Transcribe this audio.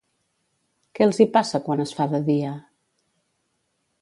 Què els hi passa quan es fa de dia?